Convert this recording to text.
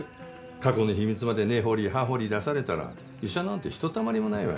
過去の秘密まで根掘り葉掘り出されたら医者なんてひとたまりもないわよ。